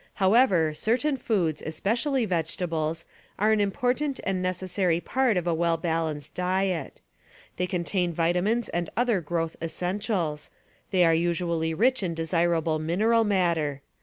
However, certain foods, especially vegetables, are an important and necessary part of a well balanced diet. They contain vitamins and other growth essentials; they are usually rich in desirable mineral matter.